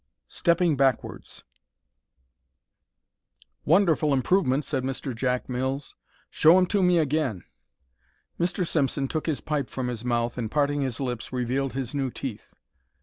STEPPING BACKWARDS Wonderful improvement," said Mr. Jack Mills. "Show 'em to me again." Mr. Simpson took his pipe from his mouth and, parting his lips, revealed his new teeth.